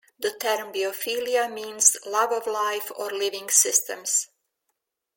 The term "biophilia" means "love of life or living systems.